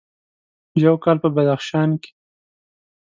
یو کال په بدخشان کې: